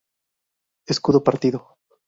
Escudo partido.